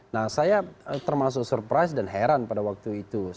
nah saya termasuk surprise dan heran pada waktu itu